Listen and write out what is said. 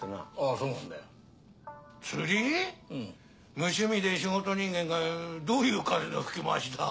無趣味で仕事人間がどういう風の吹き回しだ。